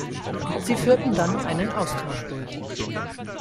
Sie führten dann einen Austausch durch.